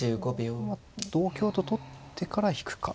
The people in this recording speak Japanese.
同香と取ってから引くか。